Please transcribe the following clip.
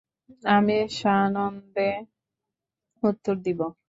আমি সানন্দে উত্তর দিব।